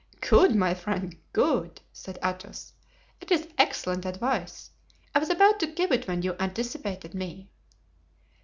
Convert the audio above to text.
"Good, my friend, good!" said Athos. "It is excellent advice. I was about to give it when you anticipated me."